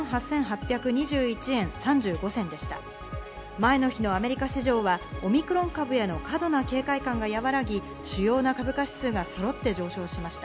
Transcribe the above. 前の日のアメリカ市場はオミクロン株への過度な警戒感が和らぎ、主要な株価指数がそろって上昇しました。